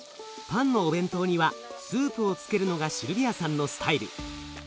パンのお弁当にはスープをつけるのがシルビアさんのスタイル。